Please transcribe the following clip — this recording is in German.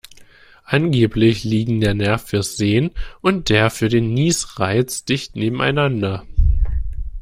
Angeblich liegen der Nerv fürs Sehen und der für den Niesreiz dicht nebeneinander.